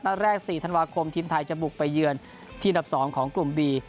นัดแรกสี่ธันวาคมทีมไทยจะบุกไปเยื่อนที่ดับสองของกลุ่มบี